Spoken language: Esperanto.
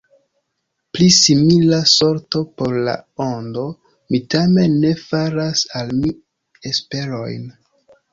Pri simila sorto por La Ondo mi tamen ne faras al mi esperojn.